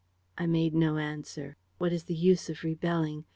...' "I made no answer. What is the use of rebelling?